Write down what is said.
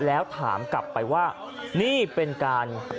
แล้วถามกลับไปว่านี่เป็นการ